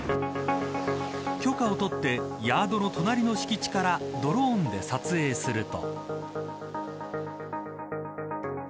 許可を取ってヤードの隣の敷地からドローンで撮影すると。